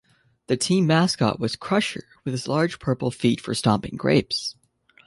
The team mascot was "Crusher" with his large purple feet for stomping grapes.